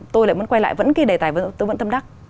tôi lại muốn quay lại vẫn cái đề tài tôi vẫn tâm đắc